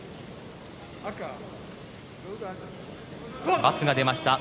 バツが出ました。